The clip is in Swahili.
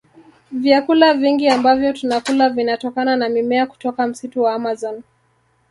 Vyakula vingi ambavyo tunakula vinatokana na mimea kutoka msitu wa amazon